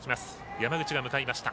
山口が向かいました。